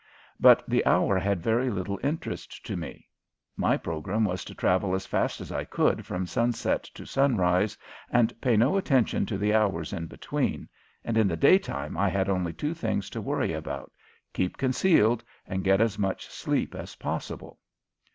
But the hour had very little interest to me. My program was to travel as fast as I could from sunset to sunrise and pay no attention to the hours in between, and in the daytime I had only two things to worry about: keep concealed and get as much sleep as possible.